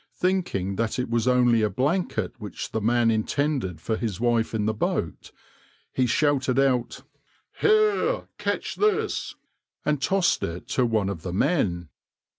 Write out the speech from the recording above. Thinking that it was only a blanket which the man intended for his wife in the boat, he shouted out, "Here, catch this!" and tossed it to one of the men.